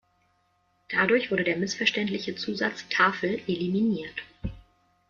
Dadurch wurde der missverständliche Zusatz „Tafel“ eliminiert.